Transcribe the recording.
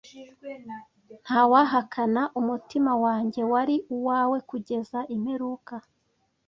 Ntawahakana, umutima wanjye wari uwawe 'kugeza imperuka.